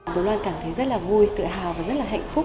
tố loan cảm thấy rất là vui tự hào và rất là hạnh phúc